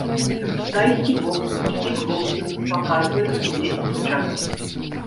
Тайскі бокс і кікбоксінг паказваюць увесь час.